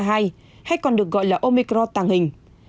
hay còn được gọi là omicron tàng hình